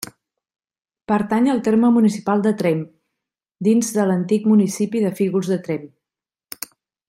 Pertany al terme municipal de Tremp, dins de l'antic municipi de Fígols de Tremp.